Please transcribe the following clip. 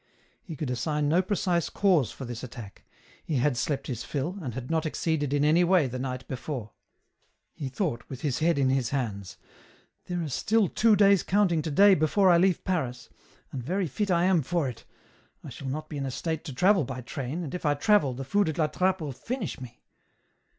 He could assign no precise cause for this attack ; he had slept his fill, and had not exceeded in any way the night before. He thought, with his head in his hands, " There are still two days counting to day before I leave Paris, and very fit I am for it ! I shall not be in a state to travel by train, and if I travel, the food at La Trappe will finish me."